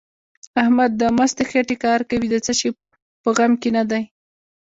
احمد د مستې خېټې کار کوي؛ د څه شي په غم کې نه دی.